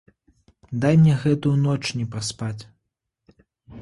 Дай мне гэтую ноч не праспаць.